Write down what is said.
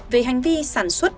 về hành vi sản xuất